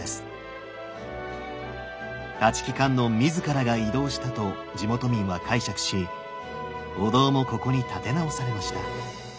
立木観音自らが移動したと地元民は解釈しお堂もここに建て直されました。